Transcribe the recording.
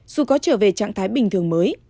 dù có trở về trạng thái bình thường mới